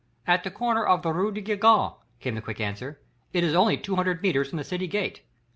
"At the corner of the rue de Gigan," came the quick answer. "It is only two hundred metres from the city gate.